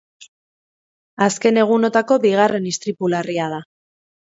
Azken egunotako bigarren istripu larria da.